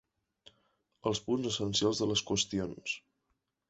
Els punts essencials de les qüestions.